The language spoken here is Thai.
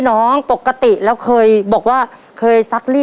ครอบครัวของแม่ปุ้ยจังหวัดสะแก้วนะครับ